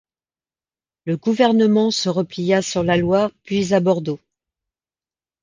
Le gouvernement se replia sur la Loire puis à Bordeaux.